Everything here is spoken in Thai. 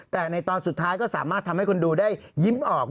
แต่ในตอนสุดท้ายก็สามารถทำให้คนดูได้ยิ้มออก